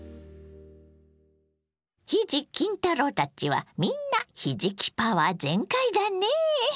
ひじ・きん太郎たちはみんなひじきパワー全開だねぇ。